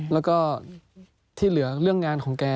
แล้วก็ที่เหลือเรื่องงานของแก